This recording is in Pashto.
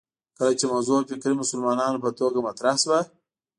کله چې موضوع فکري مسلماتو په توګه مطرح شوه